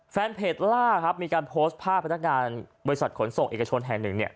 แฟนเพจล่าครับมีการโพสต์ภาพพนักงานบริษัทขนส่งเอกชนแห่งหนึ่งเนี่ย